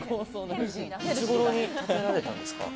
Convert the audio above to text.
いつ頃に建てられたんですか？